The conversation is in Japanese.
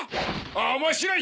面白い。